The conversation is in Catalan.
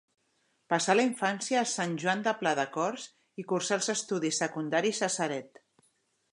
Passà la infància a Sant Joan de Pladecorts i cursà els estudis secundaris a Ceret.